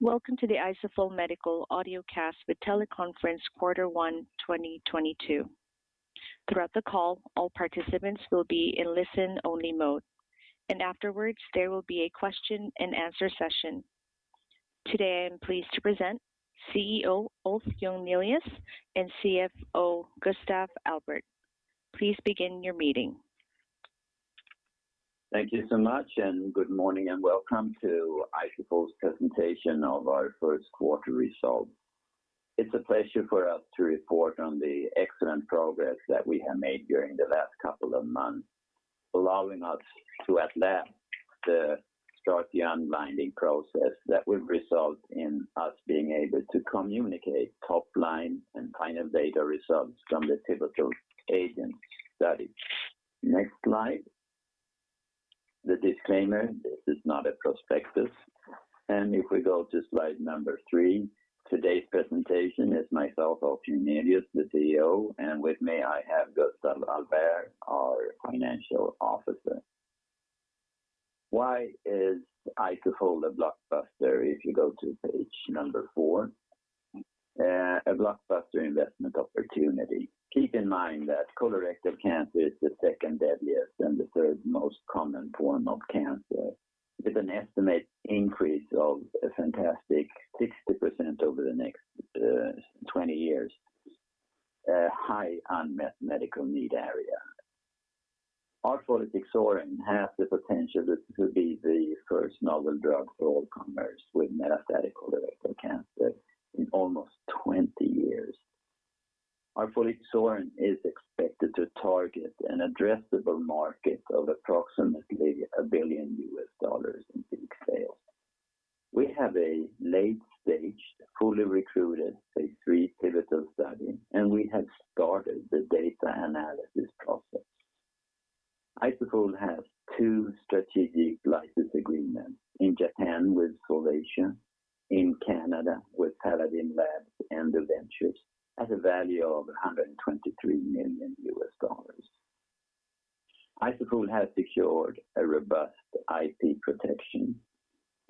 Welcome to the Isofol Medical Audiocast with Teleconference Quarter One 2022. Throughout the call, all participants will be in listen-only mode, and afterwards, there will be a question-and-answer session. Today, I'm pleased to present CEO Ulf Jungnelius and CFO Gustaf Albèrt. Please begin your meeting. Thank you so much, and good morning and welcome to Isofol's presentation of our first quarter results. It's a pleasure for us to report on the excellent progress that we have made during the last couple of months, allowing us to at last start the unblinding process that will result in us being able to communicate top-line and kind of data results from the pivotal AGENT study. Next slide. The disclaimer, this is not a prospectus. If we go to slide number three, today's presentation is myself, Ulf Jungnelius, the CEO, and with me I have Gustaf Albèrt, our financial officer. Why is Isofol a blockbuster? If you go to page number four, a blockbuster investment opportunity. Keep in mind that colorectal cancer is the second deadliest and the third most common form of cancer, with an estimated increase of a fantastic 60% over the next 20 years. A high unmet medical need area. Arfolitixorin has the potential to be the first novel drug for all comers with metastatic colorectal cancer in almost 20 years. Arfolitixorin is expected to target an addressable market of approximately $1 billion in peak sales. We have a late-stage, fully recruited phase III pivotal study, and we have started the data analysis process. Isofol has two strategic license agreements in Japan with Solasia, in Canada with Paladin Labs, at a value of $123 million. Isofol has secured a robust IP protection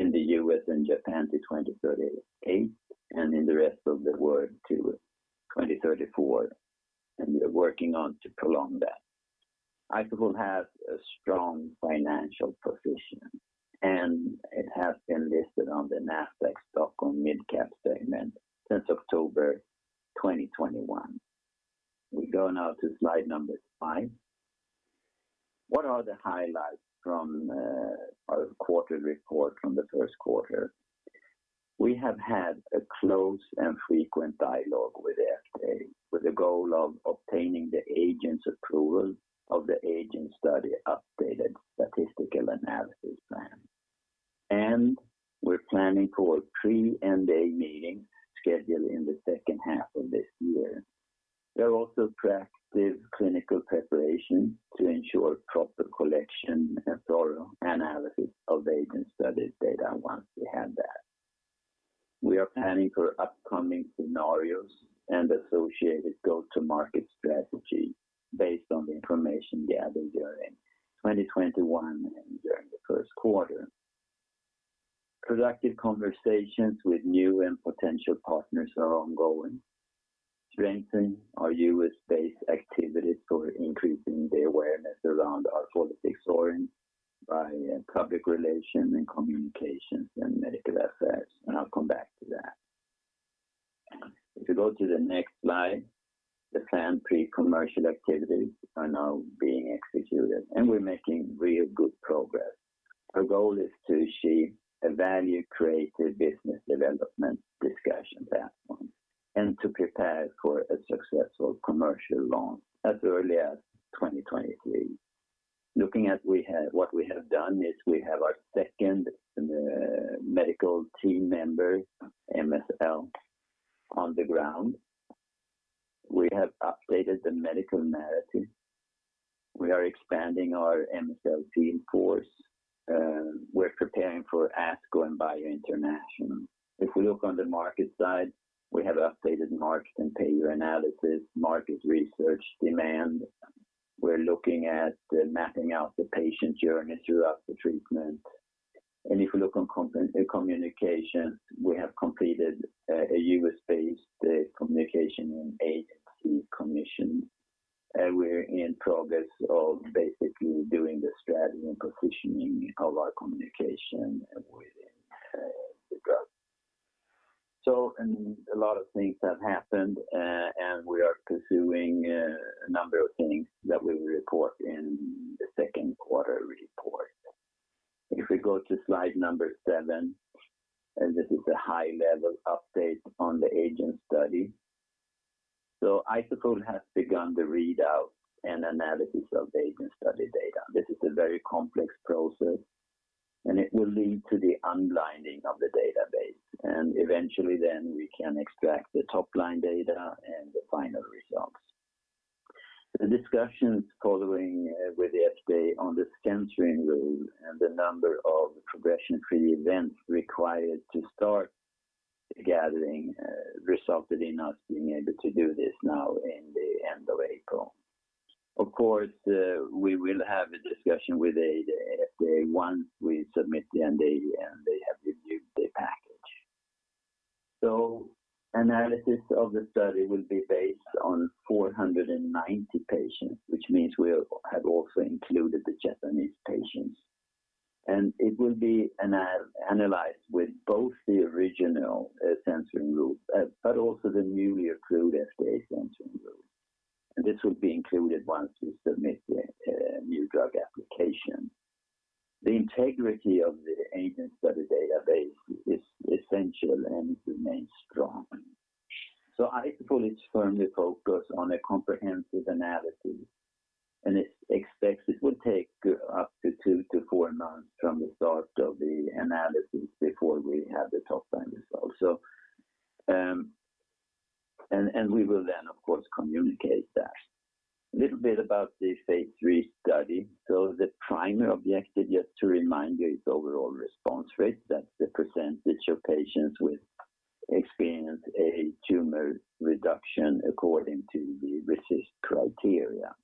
in the U.S. and Japan to 2038 and in the rest of the world to 2034, and we are working on to prolong that. Isofol has a strong financial position, and it has been listed on the Nasdaq Stockholm mid-cap segment since October 2021. We go now to slide number five. What are the highlights from our quarter report from the first quarter? We have had a close and frequent dialogue with the FDA with the goal of obtaining the FDA's approval of the AGENT study updated statistical analysis plan. We're planning for a Pre-MAA meeting scheduled in the second half of this year. We also started the clinical preparation to ensure proper collection and thorough analysis of AGENT study data once we have that. We are planning for upcoming scenarios and associated go-to-market strategy based on the information gathered during 2021 and during the first quarter. Productive conversations with new and potential partners are ongoing, strengthening our U.S.-based activities for increasing the awareness around arfolitixorin by public relations and communications and medical affairs. I'll come back to that. If you go to the next slide, the planned pre-commercial activities are now being executed, and we're making real good progress. Our goal is to achieve a value-creative business development discussion platform and to prepare for a successful commercial launch as early as 2023. What we have done is we have our second medical team member, MSL, on the ground. We have updated the medical narrative. We are expanding our MSL team force. We're preparing for ASCO and BIO International. If we look on the market side, we have updated market and payer analysis, market research demand. We're looking at mapping out the patient journey throughout the treatment. If you look on communication, we have completed a US-based communication and agency commission, and we're in progress of basically doing the strategy and positioning of our communication within the group. A lot of things have happened, and we are pursuing a number of things that we will report in the second quarter report. If we go to slide number 7, this is a high-level update on the AGENT study. Isofol has begun the readout and analysis of AGENT study data. This is a very complex process, and it will lead to the unblinding of the database. Eventually, we can extract the top-line data and the final results. The discussions following with the FDA on the censoring rule and the number of progression-free events required to start gathering resulted in us being able to do this now in the end of April. Of course, we will have a discussion with the FDA once we submit the NDA and they have reviewed the package. Analysis of the study will be based on 490 patients, which means we have also included the Japanese patients. It will be analyzed with both the original censoring rule, but also the newly approved FDA censoring rule. This will be included once we submit the new drug application. The integrity of the AGENT study database is essential and it remains strong. Isofol is firmly focused on a comprehensive analysis, and it expects it will take up to two-four months from the start of the analysis before we have the top-line results. We will then of course communicate that. A little bit about the phase III study. The primary objective, just to remind you, is overall response rate. That's the percentage of patients who experienced a tumor reduction according to the RECIST criteria.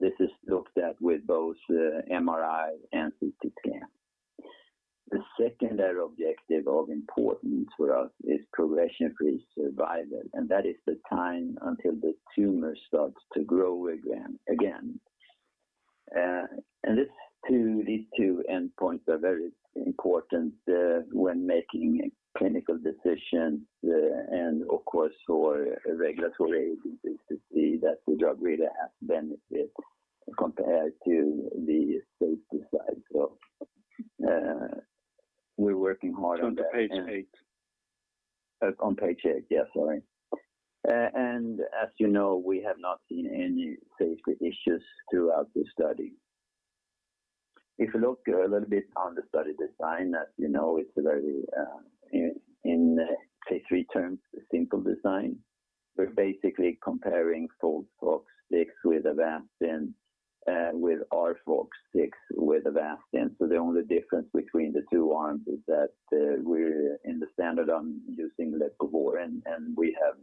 This is looked at with both MRI and CT scan. The secondary objective of importance for us is progression-free survival, and that is the time until the tumor starts to grow again. These two endpoints are very important when making a clinical decision, and of course for regulatory agencies to see that the drug really has benefit compared to the safety side. We're working hard on that. It's on to page eight. On page eight. Yeah, sorry. As you know, we have not seen any safety issues throughout the study. If you look a little bit on the study design, as you know, it's a very in phase III terms, a simple design. We're basically comparing FOLFOX6 with Avastin with arfolitixorin-FOLFOX6 with Avastin. The only difference between the two arms is that we're in the standard arm using leucovorin, and we have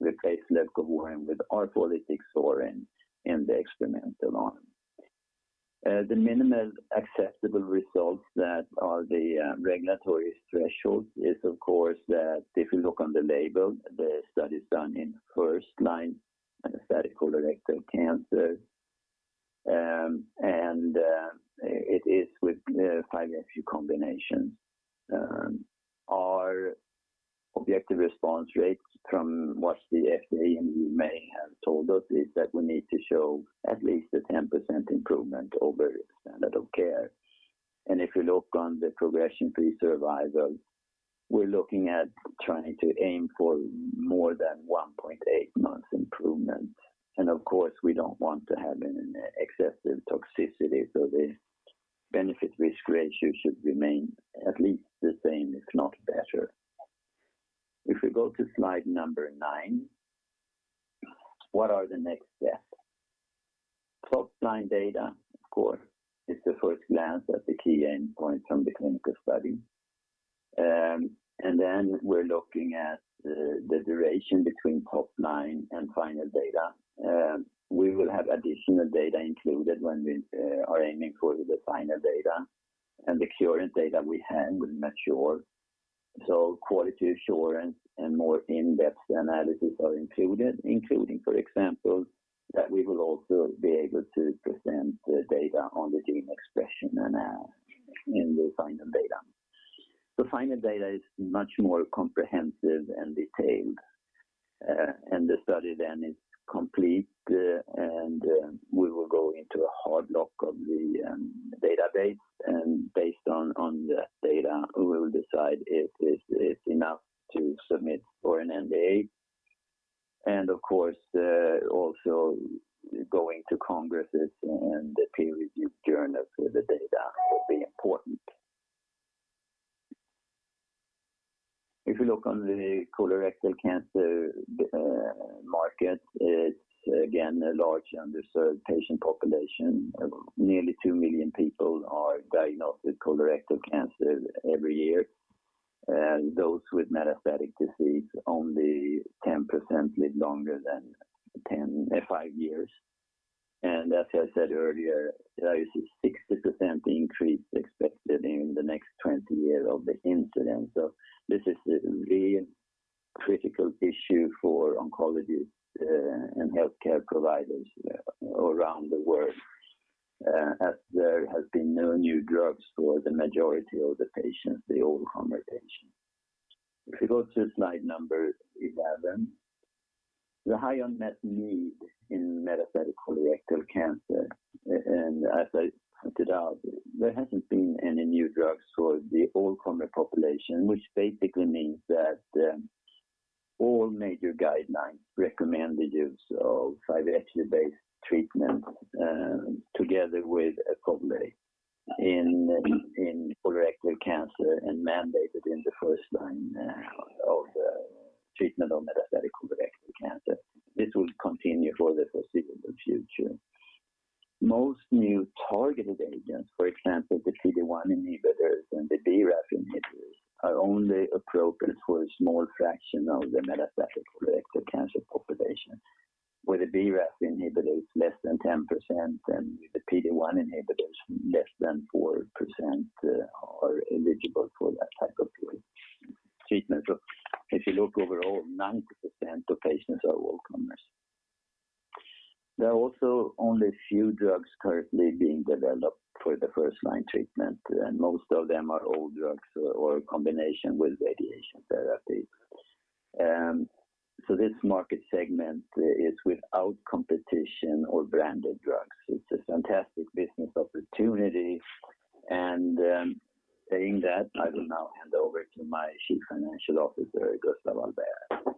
replaced leucovorin with arfolitixorin in the experimental arm. The minimal acceptable results that are the regulatory threshold is of course that if you look on the label, the study's done in first line metastatic colorectal cancer, and it is with 5-FU combination. Our objective response rates from what the FDA and EU may have told us is that we need to show at least a 10% improvement over standard of care. If you look on the progression-free survival, we're looking at trying to aim for more than 1.8 months improvement. Of course, we don't want to have an excessive toxicity, so the benefit risk ratio should remain at least the same, if not better. If we go to slide number 9, what are the next steps? Top-line data, of course, is the first glance at the key endpoint from the clinical study. Then we're looking at the duration between top-line and final data. We will have additional data included when we are aiming for the final data. The current data we have will mature. Quality assurance and more in-depth analysis are included, including, for example, that we will also be able to present the data on the gene expression analysis in the final data. The final data is much more comprehensive and detailed. The study then is complete, and we will go into a hard lock of the database. Based on that data, we will decide if it's enough to submit for an NDA. Of course, also going to congresses and the peer review journals with the data will be important. If you look on the colorectal cancer market, it's again a large underserved patient population. Nearly 2 million people are diagnosed with colorectal cancer every year. Those with metastatic disease, only 10% live longer than five years. As I said earlier, there is a 60% increase expected in the next 20 years of the incidence. This is a really critical issue for oncologists and healthcare providers around the world, as there has been no new drugs for the majority of the patients, the all-comer patients. If you go to slide number 11, the high unmet need in metastatic colorectal cancer, and as I pointed out, there hasn't been any new drugs for the all-comer population, which basically means that all major guidelines recommend the use of 5-FU based treatment together with Opdivo in colorectal cancer and mandated in the first line of treatment of metastatic colorectal cancer. This will continue for the foreseeable future. Most new targeted agents, for example, the PD-1 inhibitors and the BRAF inhibitors, are only appropriate for a small fraction of the metastatic colorectal cancer population. With the BRAF inhibitors less than 10% and the PD-1 inhibitors less than 4% are eligible for that type of treatment. If you look overall, 90% of patients are welcome. There are also only a few drugs currently being developed for the first-line treatment, and most of them are old drugs or a combination with radiation therapy. This market segment is without competition or branded drugs. It's a fantastic business opportunity. Saying that, I will now hand over to my Chief Financial Officer, Gustaf Albèrt, on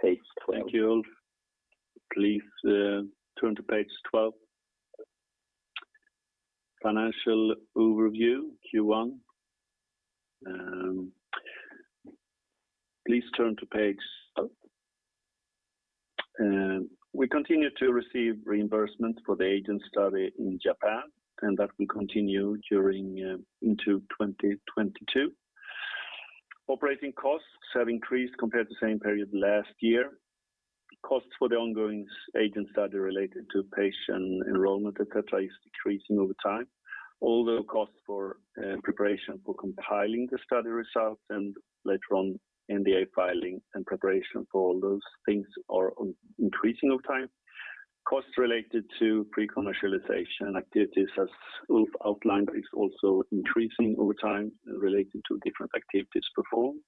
page 12. Thank you, Ulf. Please turn to page 12. Financial overview, Q1. We continue to receive reimbursement for the AGENT study in Japan, and that will continue during into 2022. Operating costs have increased compared to same period last year. Costs for the ongoing AGENT study related to patient enrollment, et cetera, is decreasing over time. All the costs for preparation for compiling the study results and later on NDA filing and preparation for all those things are increasing over time. Costs related to pre-commercialization activities, as Ulf outlined, is also increasing over time related to different activities performed.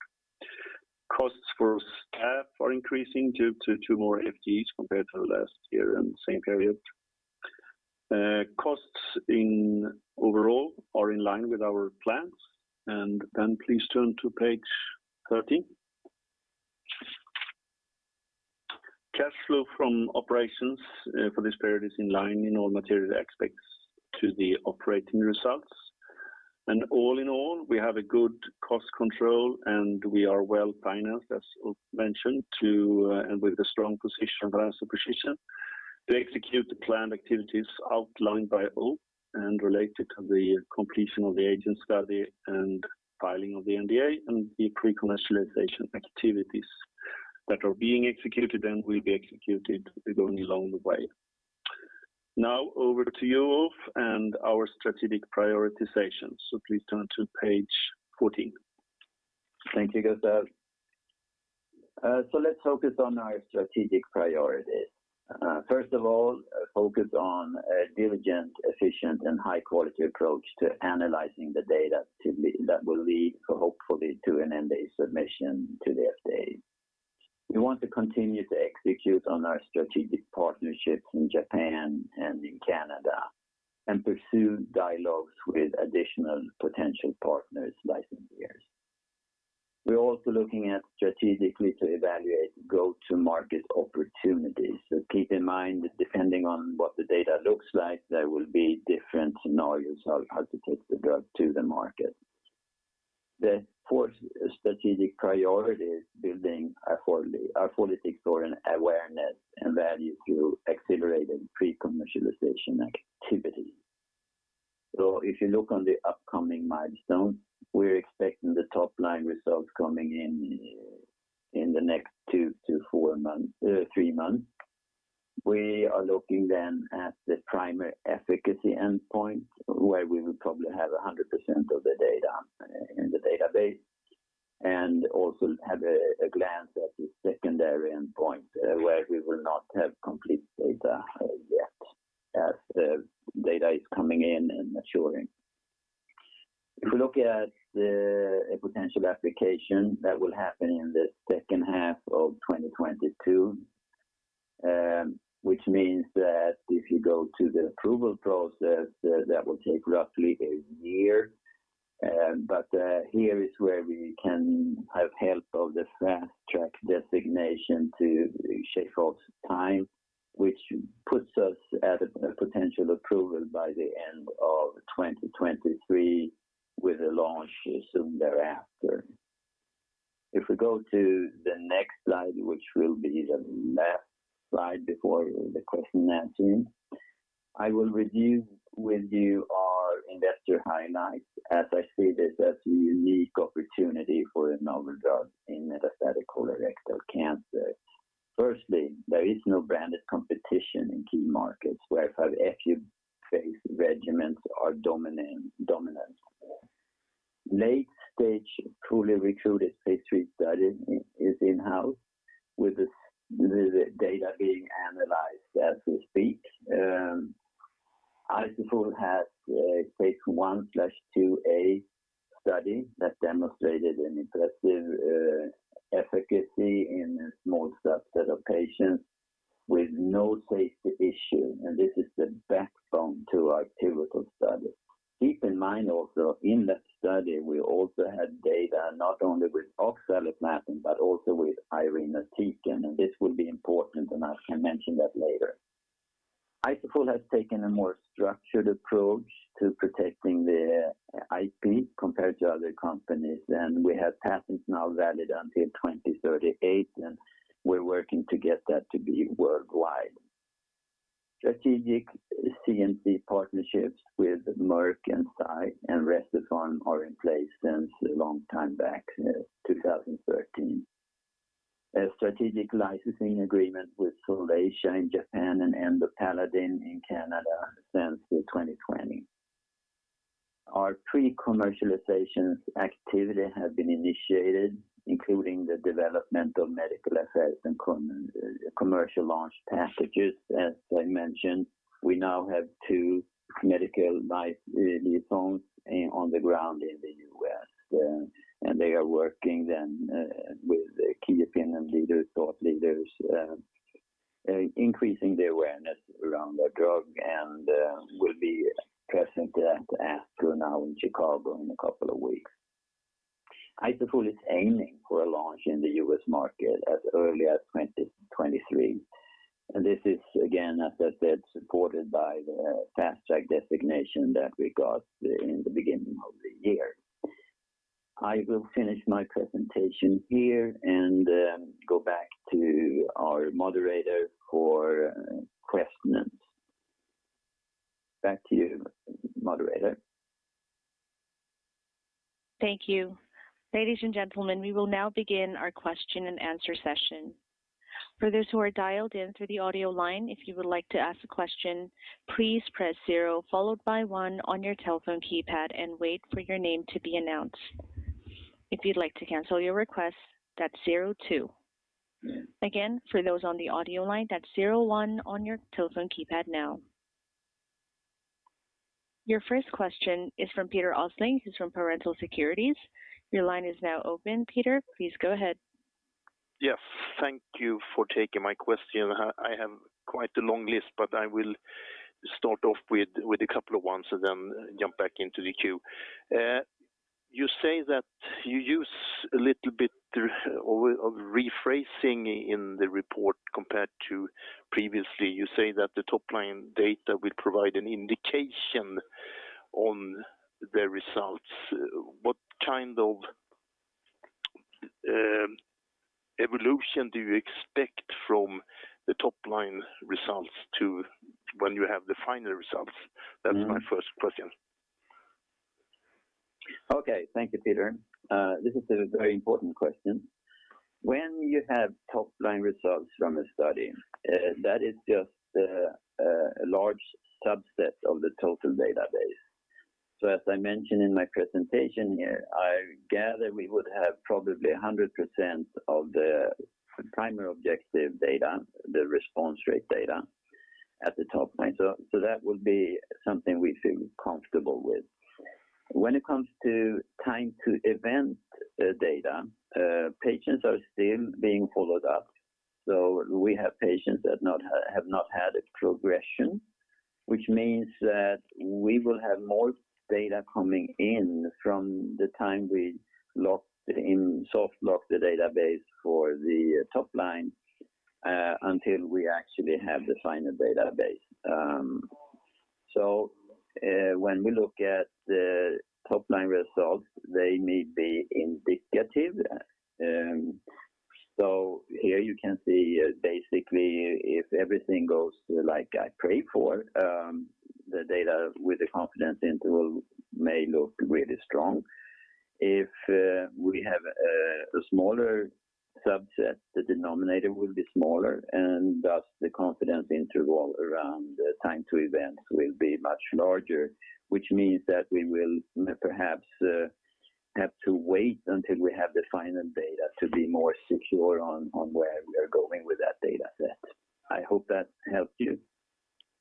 Costs for staff are increasing due to two more FTEs compared to last year in the same period. Costs in overall are in line with our plans. Please turn to page 13. Cash flow from operations for this period is in line in all material aspects to the operating results. All in all, we have a good cost control, and we are well-financed, as Ulf mentioned, and with a strong position, financial position to execute the planned activities outlined by Ulf and related to the completion of the AGENT study and filing of the NDA and the pre-commercialization activities that are being executed and will be executed going along the way. Now over to you, Ulf, and our strategic prioritization. Please turn to page 14. Thank you, Gustaf. Let's focus on our strategic priorities. First of all, focus on a diligent, efficient, and high-quality approach to analyzing the data that will lead hopefully to an NDA submission to the FDA. We want to continue to execute on our strategic partnerships in Japan and in Canada and pursue dialogues with additional potential partners, licensors. We're also looking strategically to evaluate go-to-market opportunities. Keep in mind, depending on what the data looks like, there will be different scenarios on how to take the drug to the market. The fourth strategic priority is building Isofol's awareness and value through accelerated pre-commercialization activity. If you look on the upcoming milestones, we're expecting the top-line results coming in the next two-four months, three months. We are looking at the primary efficacy endpoint, where we will probably have 100% of the data in the database, and also have a glance at the secondary endpoint, where we will not have complete data yet as the data is coming in and maturing. If you look at the potential application, that will happen in the second half of 2022, which means that if you go to the approval process, that will take roughly a year. Here is where we can have help of the Fast Track designation to shave off time, which puts us at a potential approval by the end of 2023 with a launch soon thereafter. If we go to the next slide, which will be the last slide before the question and answering, I will review with you our investor highlights as I see this as a unique opportunity for a novel drug in metastatic colorectal cancer. Firstly, there is no branded competition in key markets where 5-FU-based regimens are dominant. Late-stage truly recruited phase III study is in-house with the data being analyzed as we speak. Isofol has a phase I/IIa study that demonstrated an impressive efficacy in a small subset of patients with no safety issue, and this is the backbone to our clinical study. Keep in mind also in that study, we also had data not only with oxaliplatin but also with irinotecan, and this will be important, and I can mention that later. Isofol has taken a more structured approach to protecting their IP compared to other companies, and we have patents now valid until 2038, and we're working to get that to be worldwide. Strategic CMC partnerships with Merck and Sai and Recipharm are in place since a long time back, 2013. A strategic licensing agreement with Solasia in Japan and Paladin Labs in Canada since 2020. Our pre-commercialization activity has been initiated, including the development of medical affairs and commercial launch packages. As I mentioned, we now have two medical liaisons on the ground in the U.S., and they are working with key opinion leaders, thought leaders, increasing the awareness around the drug and will be present at ASCO now in Chicago in a couple of weeks. Isofol is aiming for a launch in the U.S. market as early as 2023. This is again, as I said, supported by the Fast Track designation that we got in the beginning of the year. I will finish my presentation here and go back to our moderator for questions. Back to you, moderator. Thank you. Ladies and gentlemen, we will now begin our question-and-answer session. For those who are dialed in through the audio line, if you would like to ask a question, please press zero followed by one on your telephone keypad and wait for your name to be announced. If you'd like to cancel your request, that's zero two. Again, for those on the audio line, that's zero one on your telephone keypad now. Your first question is from Peter Ostling. He's from Pareto Securities. Your line is now open, Peter. Please go ahead. Yes. Thank you for taking my question. I have quite a long list, but I will start off with a couple of ones and then jump back into the queue. You say that you use a little bit of rephrasing in the report compared to previously. You say that the top-line data will provide an indication on the results. What kind of evolution do you expect from the top-line results to when you have the final results? That's my first question. Okay. Thank you, Peter. This is a very important question. When you have top-line results from a study, that is just a large subset of the total database. As I mentioned in my presentation here, I gather we would have probably 100% of the primary objective data, the response rate data at the top line. That would be something we feel comfortable with. When it comes to time to event data, patients are still being followed up. We have patients that have not had a progression, which means that we will have more data coming in from the time we soft locked the database for the top line, until we actually have the final database. When we look at the top-line results, they may be indicative. Here you can see basically if everything goes like I pray for, the data with the confidence interval may look really strong. If we have a smaller subset, the denominator will be smaller, and thus the confidence interval around the time to events will be much larger, which means that we will perhaps have to wait until we have the final data to be more secure on where we are going with that data set. I hope that helped you.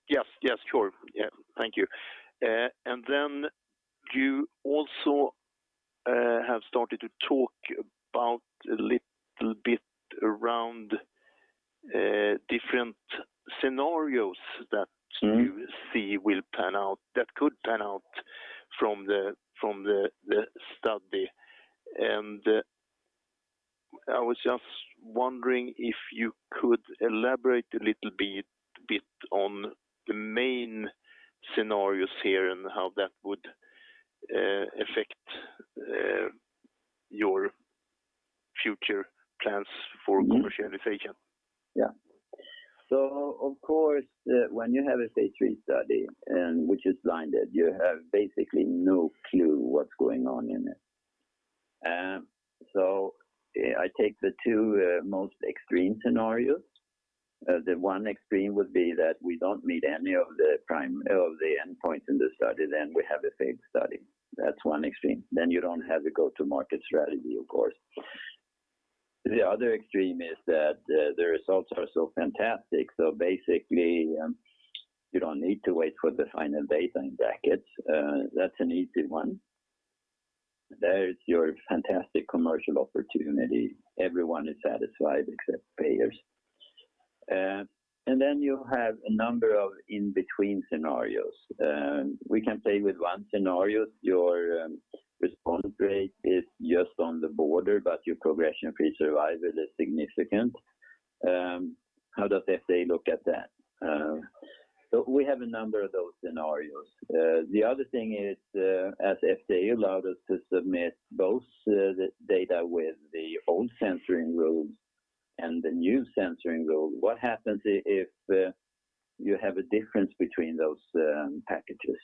Yes. Yes, sure. Yeah. Thank you. Then you also have started to talk about a little bit around different scenarios that. Mm-hmm. You see will pan out, that could pan out from the study. I was just wondering if you could elaborate a little bit on the main scenarios here and how that would affect your future plans for commercialization. Of course, when you have a Phase III study which is blinded, you have basically no clue what's going on in it. I take the two most extreme scenarios. The one extreme would be that we don't meet any of the primary endpoints in the study, then we have a failed study. That's one extreme. Then you don't have a go-to-market strategy, of course. The other extreme is that the results are so fantastic, so basically, you don't need to wait for the final unblinding. That's an easy one. There is your fantastic commercial opportunity. Everyone is satisfied except payers. You have a number of in-between scenarios. We can play with one scenario. Your response rate is just on the border, but your progression-free survival is significant. How does FDA look at that? We have a number of those scenarios. The other thing is, as FDA allowed us to submit both, the data with the old censoring rules and the new censoring rule, what happens if you have a difference between those packages?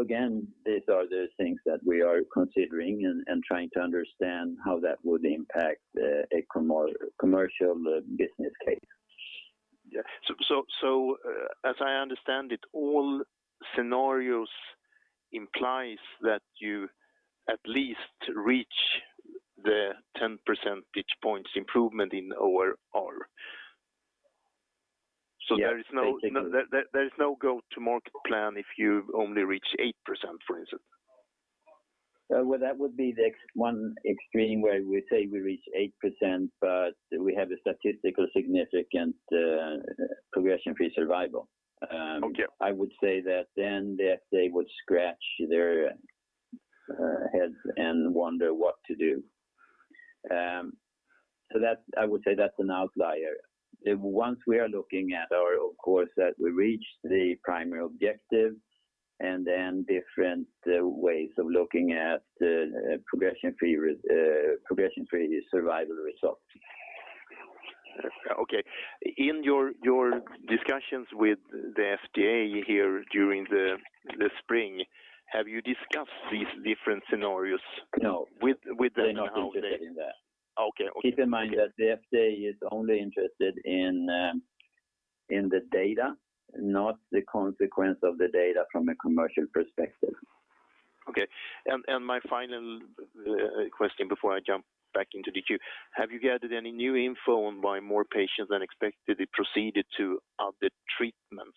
Again, these are the things that we are considering and trying to understand how that would impact a commercial business case. As I understand it, all scenarios implies that you at least reach the 10 percentage points improvement in ORR. Yes. There is no go-to-market plan if you only reach 8%, for instance. Well, that would be the one extreme where we say we reach 8%, but we have a statistically significant progression-free survival. Okay. I would say that then the FDA would scratch their heads and wonder what to do. I would say that's an outlier. The ones we are looking at are, of course, that we reach the primary objective and then different ways of looking at the progression-free survival results. Okay. In your discussions with the FDA here during the spring, have you discussed these different scenarios? No. with them how they They're not interested in that. Okay. Keep in mind that the FDA is only interested in the data, not the consequence of the data from a commercial perspective. Okay. My final question before I jump back into the queue, have you gathered any new info on why more patients than expected proceeded to other treatments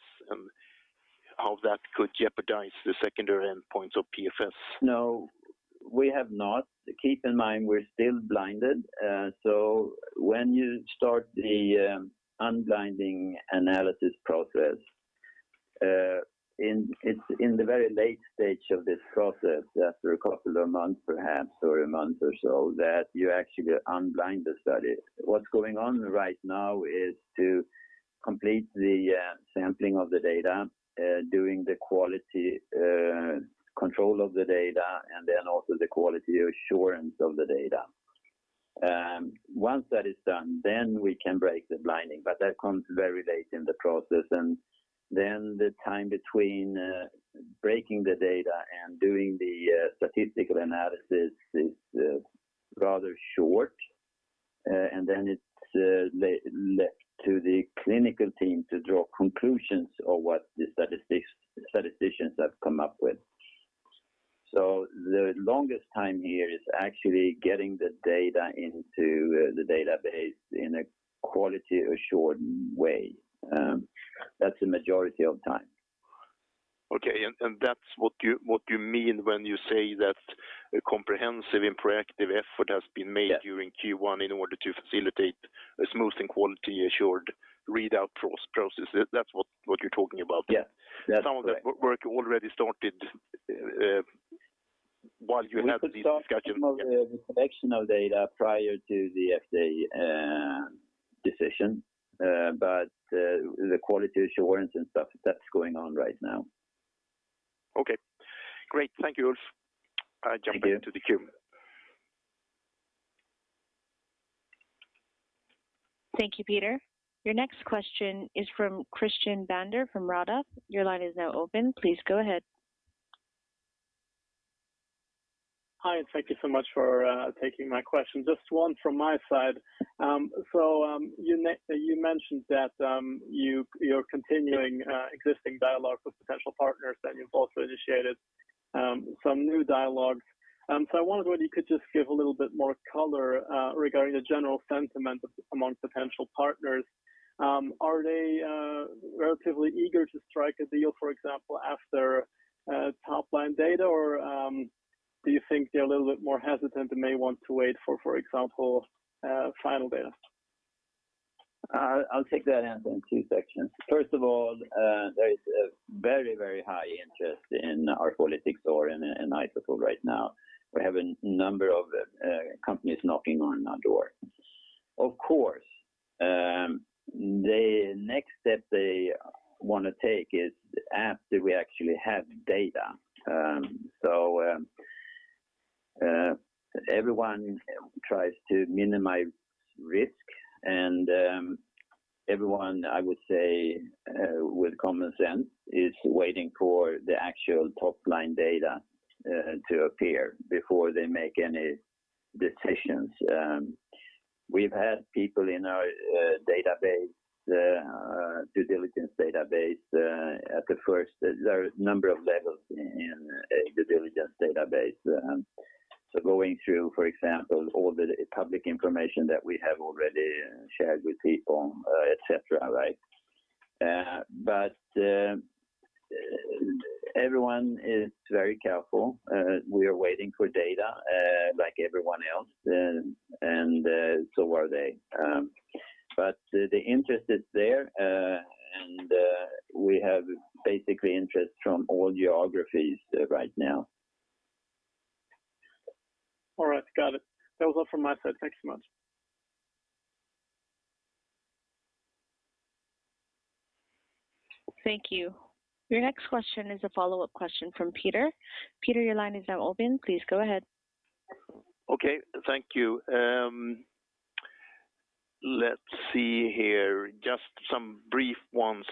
and how that could jeopardize the secondary endpoints of PFS? No, we have not. Keep in mind, we're still blinded. When you start the unblinding analysis process, it's in the very late stage of this process, after a couple of months perhaps or a month or so, that you actually unblind the study. What's going on right now is to complete the sampling of the data, doing the quality control of the data, and then also the quality assurance of the data. Once that is done, we can break the blinding, but that comes very late in the process. The time between breaking the data and doing the statistical analysis is rather short. It's left to the clinical team to draw conclusions of what the statisticians have come up with. The longest time here is actually getting the data into the database in a quality assured way. That's the majority of time. Okay. That's what you mean when you say that a comprehensive and proactive effort has been made. Yeah. during Q1 in order to facilitate a smooth and quality assured readout process. That's what you're talking about there. Yeah. That's correct. Some of that work already started while you had these discussions. We could start some of the collection of data prior to the FDA decision. The quality assurance and stuff, that's going on right now. Okay, great. Thank you, Ulf. Thank you. I jump into the queue. Thank you, Peter. Your next question is from Christian Bender from Redeye. Your line is now open. Please go ahead. Hi, and thank you so much for taking my question. Just one from my side. You mentioned that you're continuing existing dialogue with potential partners, that you've also initiated some new dialogues. I wondered whether you could just give a little bit more color regarding the general sentiment among potential partners. Are they relatively eager to strike a deal, for example, after top line data? Or, do you think they're a little bit more hesitant and may want to wait for example, final data? I'll take that answer in two sections. First of all, there is a very, very high interest in our product, Isofol right now. We have a number of companies knocking on our door. Of course, the next step they wanna take is after we actually have data. Everyone tries to minimize risk. Everyone, I would say, with common sense is waiting for the actual top-line data to appear before they make any decisions. We've had people in our due diligence database. There are a number of levels in the due diligence database. Going through, for example, all the public information that we have already shared with people, et cetera, right? Everyone is very careful. We are waiting for data, like everyone else, and so are they. The interest is there. We have basically interest from all geographies right now. All right. Got it. That was all from my side. Thank you so much. Thank you. Your next question is a follow-up question from Peter. Peter, your line is now open. Please go ahead. Okay, thank you. Let's see here. Just some brief ones.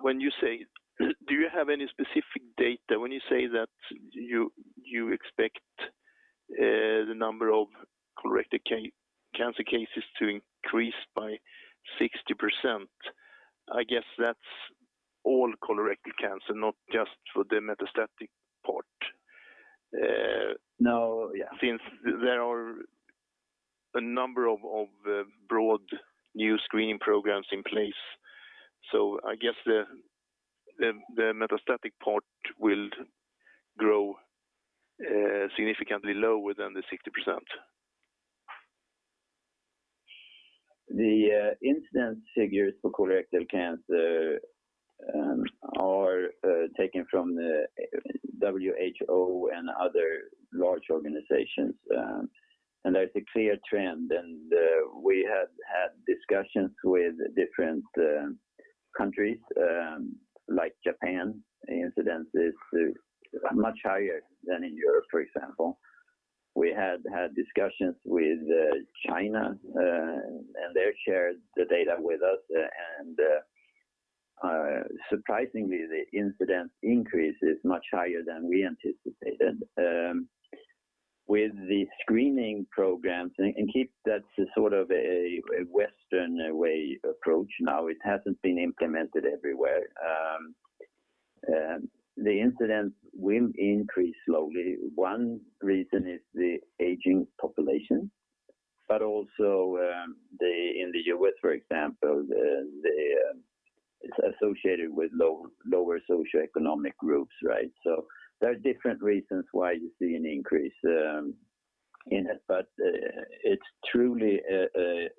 When you say, do you have any specific data when you say that you expect the number of colorectal cancer cases to increase by 60%? I guess that's all colorectal cancer, not just for the metastatic part. No. Yeah. Since there are a number of broad new screening programs in place. I guess the metastatic part will grow significantly lower than the 60%. The incidence figures for colorectal cancer are taken from the WHO and other large organizations. There's a clear trend, and we have had discussions with different countries, like Japan, incidence is much higher than in Europe, for example. We had discussions with China, and they shared the data with us. Surprisingly, the incidence increase is much higher than we anticipated. With the screening programs and keep that sort of a Western way approach now, it hasn't been implemented everywhere. The incidence will increase slowly. One reason is the aging population, but also, in the US, for example, it's associated with lower socioeconomic groups, right? There are different reasons why you see an increase in it, but it's truly a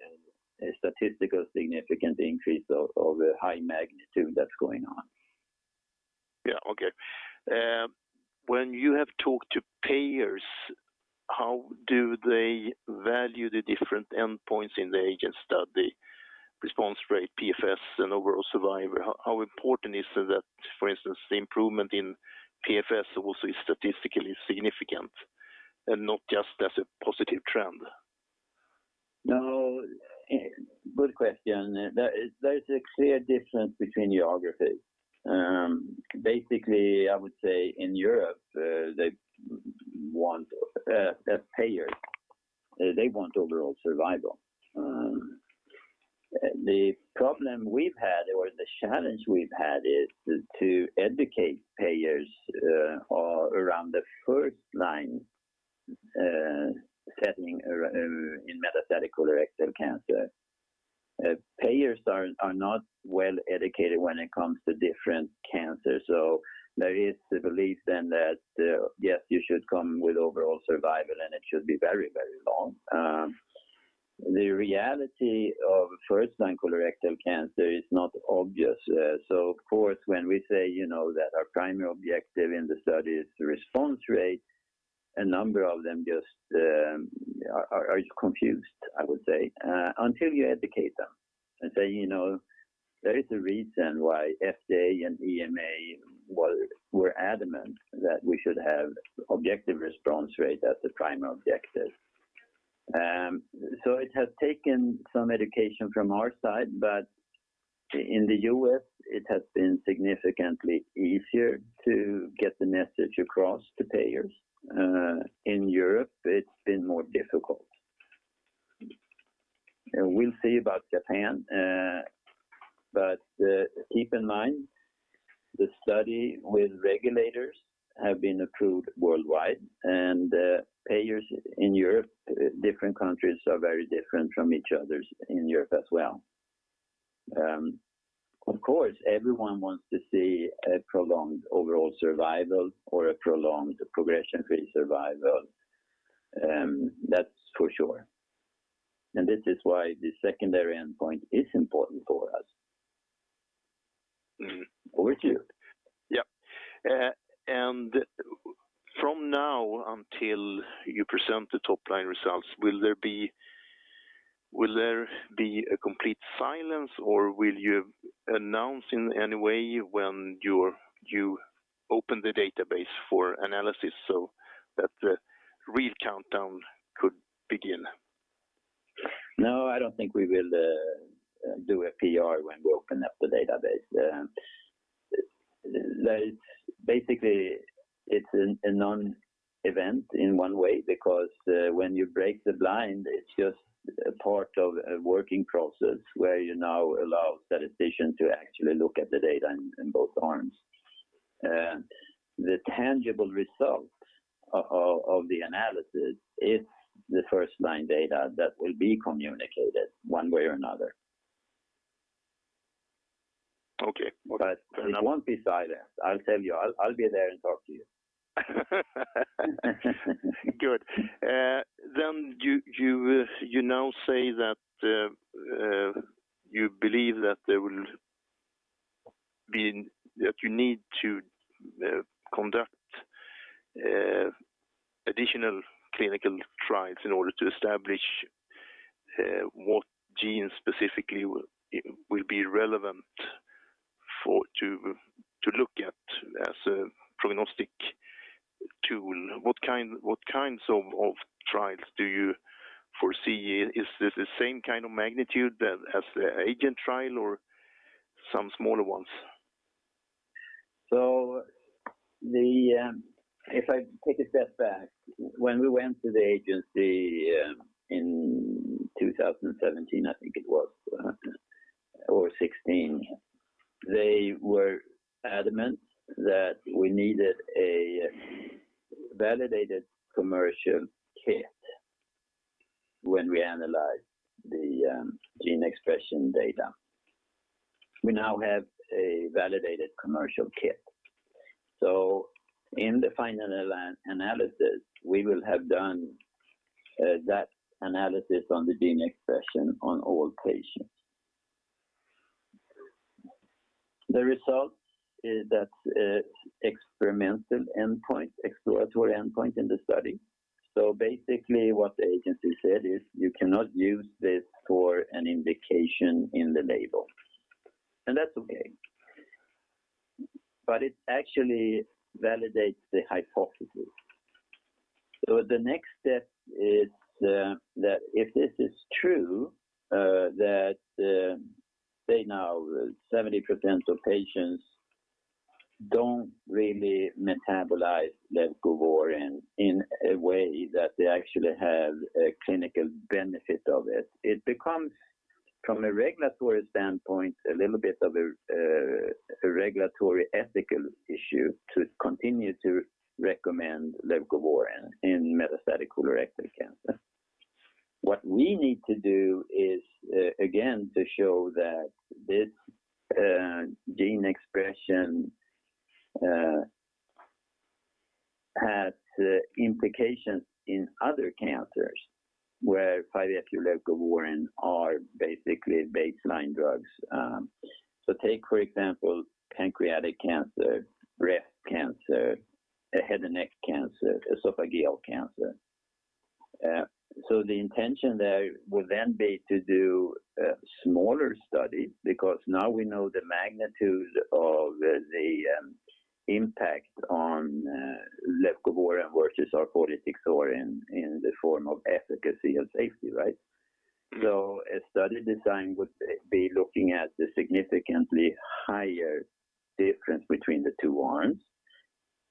statistically significant increase of high magnitude that's going on. Yeah. Okay, when you have talked to payers, how do they value the different endpoints in the AGENT study, response rate, PFS and overall survival? How important is it that, for instance, the improvement in PFS also is statistically significant and not just as a positive trend? No. Good question. There is a clear difference between geographies. Basically, I would say in Europe, payers want overall survival. The problem we've had or the challenge we've had is to educate payers around the first-line setting in metastatic colorectal cancer. Payers are not well educated when it comes to different cancers. There is the belief then that, yes, you should come with overall survival, and it should be very long. The reality of first-line colorectal cancer is not obvious. Of course, when we say, you know, that our primary objective in the study is the response rate, a number of them just are confused, I would say. Until you educate them and say, you know, there is a reason why FDA and EMA were adamant that we should have objective response rate as the primary objective. So it has taken some education from our side, but in the U.S., it has been significantly easier to get the message across to payers. In Europe, it's been more difficult. We'll see about Japan. Keep in mind, the study with regulators have been approved worldwide, and payers in Europe, different countries are very different from each other in Europe as well. Of course, everyone wants to see a prolonged overall survival or a prolonged progression-free survival. That's for sure. This is why the secondary endpoint is important for us. Over to you. Yeah. From now until you present the top-line results, will there be a complete silence, or will you announce in any way when you open the database for analysis so that the real countdown could begin? No, I don't think we will do a PR when we open up the database. Basically, it's a non-event in one way because when you break the blind, it's just a part of a working process where you now allow statisticians to actually look at the data in both arms. The tangible results of the analysis is the first-line data that will be communicated one way or another. Okay. It won't be silent. I'll tell you. I'll be there and talk to you. Good. You now say that you believe that, being that you need to conduct additional clinical trials in order to establish what genes specifically will be relevant for to look at as a prognostic tool. What kinds of trials do you foresee? Is this the same kind of magnitude as the AGENT trial or some smaller ones? If I take a step back, when we went to the agency in 2017, I think it was, or 2016, they were adamant that we needed a validated commercial kit when we analyzed the gene expression data. We now have a validated commercial kit. In the final analysis, we will have done that analysis on the gene expression on all patients. The results is that experimental endpoint, exploratory endpoint in the study. Basically what the agency said is you cannot use this for an indication in the label, and that's okay. It actually validates the hypothesis. The next step is that if this is true, that say now 70% of patients don't really metabolize leucovorin in a way that they actually have a clinical benefit of it becomes from a regulatory standpoint a little bit of a regulatory ethical issue to continue to recommend leucovorin in metastatic colorectal cancer. What we need to do is again to show that this gene expression has implications in other cancers where 5-FU and leucovorin are basically baseline drugs. Take for example, pancreatic cancer, breast cancer, head and neck cancer, esophageal cancer. The intention there would then be to do smaller studies because now we know the magnitude of the impact on leucovorin versus arfolitixorin in the form of efficacy and safety, right? A study design would be looking at the significantly higher difference between the two arms.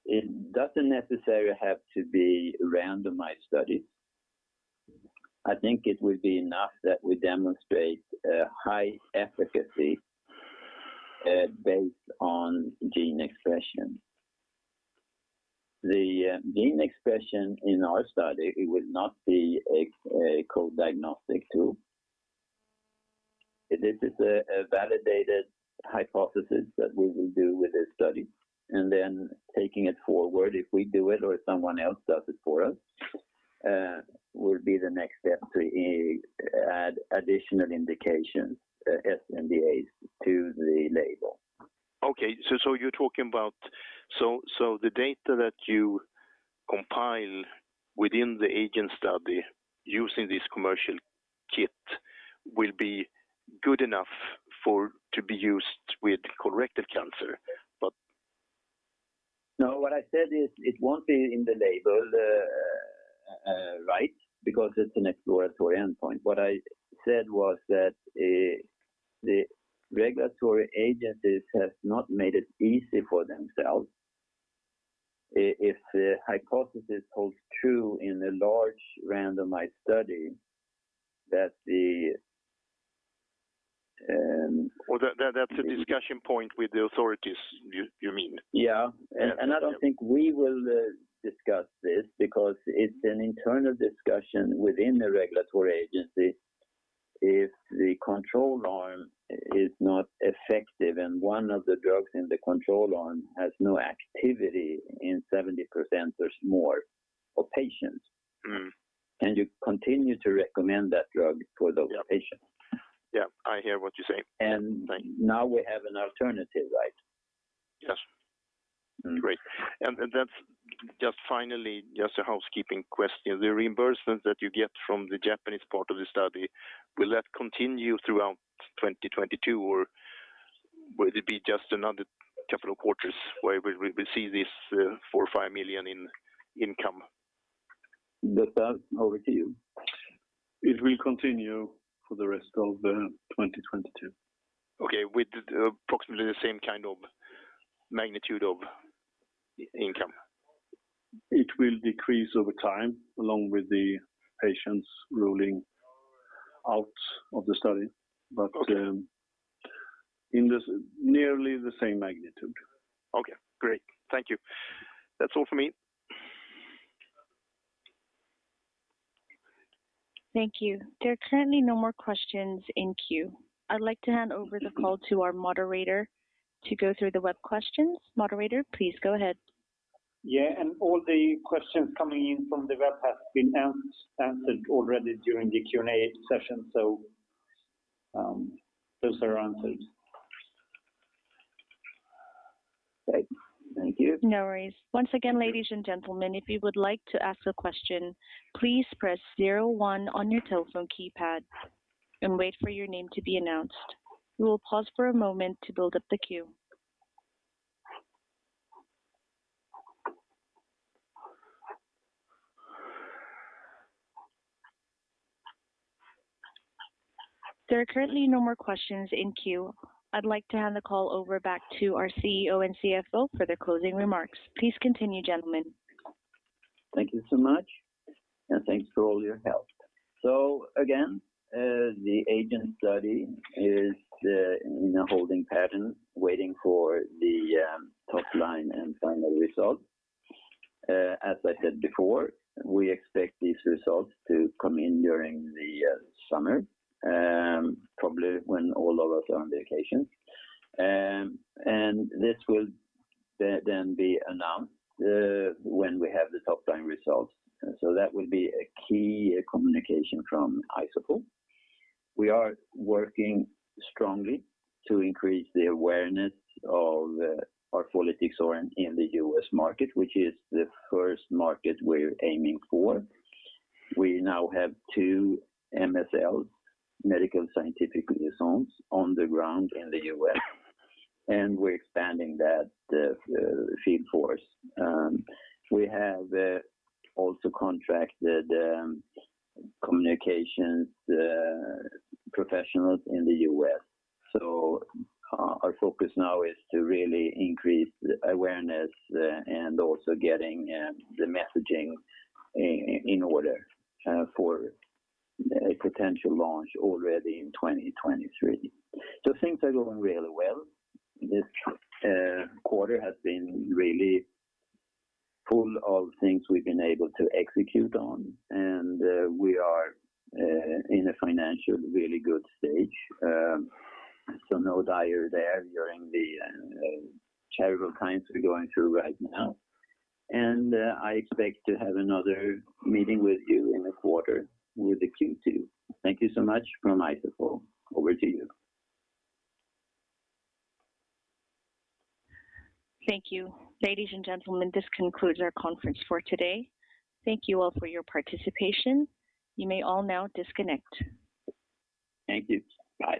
It doesn't necessarily have to be a randomized study. I think it would be enough that we demonstrate high efficacy based on gene expression. The gene expression in our study, it would not be a companion diagnostic. This is a validated hypothesis that we will do with this study. Then taking it forward, if we do it or if someone else does it for us, will be the next step to add additional indications, sNDA to the label. The data that you compile within the AGENT study using this commercial kit will be good enough to be used with colorectal cancer but. No, what I said is it won't be in the label, right? Because it's an exploratory endpoint. What I said was that the regulatory agencies have not made it easy for themselves if the hypothesis holds true in a large randomized study that the That, that's a discussion point with the authorities, you mean? Yeah. Yeah. I don't think we will discuss this because it's an internal discussion within the regulatory agency. If the control arm is not effective and one of the drugs in the control arm has no activity in 70% or more of patients. Mm-hmm Can you continue to recommend that drug for those patients? Yeah. Yeah, I hear what you're saying. And- Thank you. Now we have an alternative, right? Yes. Mm-hmm. Great. That's just finally just a housekeeping question. The reimbursement that you get from the Japanese part of the study, will that continue throughout 2022, or will it be just another couple of quarters where we see this 4 million or 5 million in income? Dr. Gustaf Albèrt, over to you. It will continue for the rest of 2022. Okay. With approximately the same kind of magnitude of income? It will decrease over time, along with the patients ruling out of the study. Okay in this nearly the same magnitude. Okay, great. Thank you. That's all for me. Thank you. There are currently no more questions in queue. I'd like to hand over the call to our moderator to go through the web questions. Moderator, please go ahead. Yeah, all the questions coming in from the web has been answered already during the Q&A session. Those are answered. Great. Thank you. No worries. Once again, ladies and gentlemen, if you would like to ask a question, please press zero one on your telephone keypad and wait for your name to be announced. We will pause for a moment to build up the queue. There are currently no more questions in queue. I'd like to hand the call over back to our CEO and CFO for their closing remarks. Please continue, gentlemen. Thank you so much, and thanks for all your help. Again, the AGENT study is in a holding pattern waiting for the top line and final result. As I said before, we expect these results to come in during the summer, probably when all of us are on vacation. This will then be announced when we have the top-line results. That will be a key communication from Isofol. We are working strongly to increase the awareness of our arfolitixorin in the U.S. market, which is the first market we're aiming for. We now have two MSLs, medical scientific liaisons, on the ground in the U.S., and we're expanding that, the field force. We have also contracted communications professionals in the U.S., so our focus now is to really increase awareness and also getting the messaging in order for a potential launch already in 2023. Things are going really well. This quarter has been really full of things we've been able to execute on, and we are in a financial really good stage. No dire straits during the terrible times we're going through right now. I expect to have another meeting with you in a quarter with the Q2. Thank you so much from Isofol. Over to you. Thank you. Ladies and gentlemen, this concludes our conference for today. Thank you all for your participation. You may all now disconnect. Thank you. Bye.